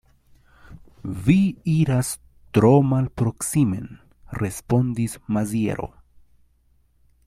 Vi iras tro malproksimen, respondis Maziero.